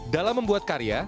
dalam membuat karya